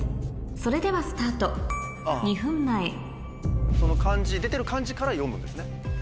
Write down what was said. それではスタート２分前出てる漢字から読むんですね。